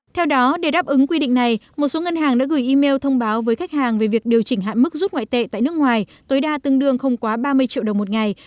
theo đó để đáp ứng quy định này một số ngân hàng đã gửi email thông báo với khách hàng về việc điều chỉnh hạn mức rút ngoại tệ tại nước ngoài tối đa tương đương không quá ba mươi triệu đồng một ngày